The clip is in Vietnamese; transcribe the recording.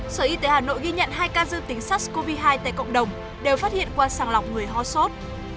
sở y tế hà nội ghi nhận hai ca dương tính sars cov hai tại cộng đồng đều phát hiện qua sàng lọc người ho sốt